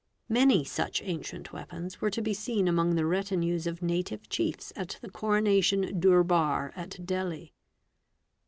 Many such ancient weapons were to be seen among the retinues of Native Chiefs at the Coronation Durbar at Delhi.